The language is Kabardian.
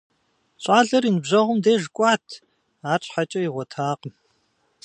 ЩӀалэр и ныбжьэгъум деж кӀуат, арщхьэкӀэ игъуэтакъым.